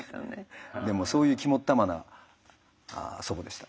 でもそういう肝っ玉な祖母でした。